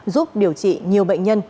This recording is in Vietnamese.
giúp điều trị nhiều bệnh nhân